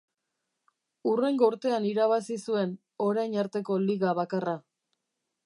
Hurrengo urtean irabazi zuen orain arteko Liga bakarra.